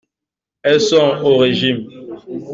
Elles sont au régime.